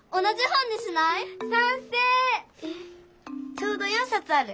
ちょうど４さつある！